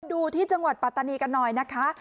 ดูที่จังหวัดปัตตานีกันหน่อยนะคะ